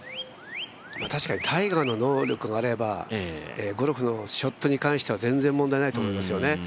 確かにタイガーの能力があれば、ゴルフのショットに関しては全然、問題ないと思いますよね。